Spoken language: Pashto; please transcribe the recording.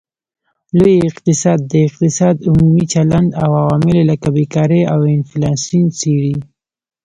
لوی اقتصاد د اقتصاد عمومي چلند او عوامل لکه بیکاري او انفلاسیون څیړي